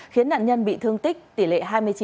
khiến nạn nhân bị thương tích tỷ lệ hai mươi chín